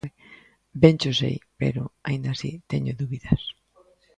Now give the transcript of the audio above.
Ben cho sei, pero, aínda así, teño dúbidas